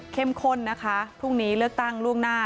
ข้นนะคะพรุ่งนี้เลือกตั้งล่วงหน้า